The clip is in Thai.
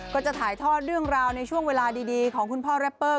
ก็จะถ่ายทอดเรื่องราวในช่วงเวลาดีของคุณพ่อแรปเปอร์